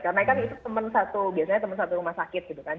karena kan itu teman satu biasanya teman satu rumah sakit gitu kan